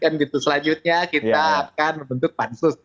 kan gitu selanjutnya kita akan membentuk pansus